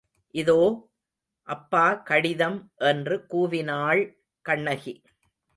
இதோ, அப்பா கடிதம் என்று கூவினாள் கண்ணகி.